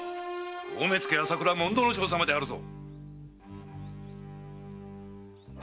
大目付・朝倉主水正様であるぞ。